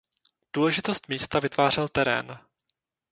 Důležitost místa vytvářel terén.